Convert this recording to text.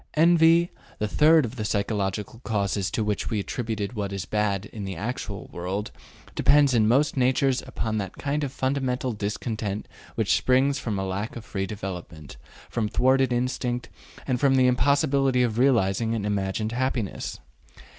Envy, the third of the psychological causes to which we attributed what is bad in the actual world, depends in most natures upon that kind of fundamental discontent which springs from a lack of free development, from thwarted instinct, and from the impossibility of realizing an imagined happiness.